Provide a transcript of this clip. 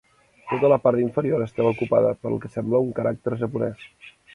Tota la part inferior estava ocupada pel que semblava un caràcter japonès.